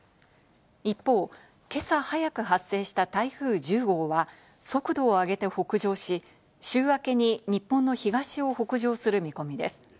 一方、今朝早く発生した台風１０号は速度を上げて北上し、週明けに日本の東を北上する見込みです。